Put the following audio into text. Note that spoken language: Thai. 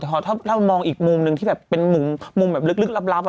แต่ถ้ามองอีกมุมหนึ่งที่แบบมุมลึกลับ